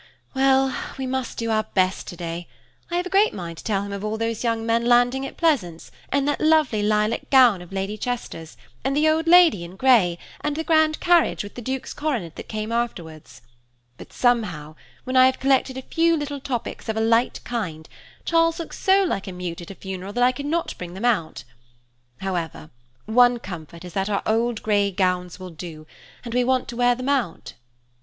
"Well, we must do our best to day. I have a great mind to tell him of all those young men landing at Pleasance, and that lovely lilac gown of Lady Chester's, and the old lady in grey, and the grand carriage with the Duke's coronet that came afterwards; but somehow when I have collected a few little topics of a light kind, Charles looks so like a mute at a funeral that I cannot bring them out. However, one comfort is that our old grey gowns will do, and we want to wear them out."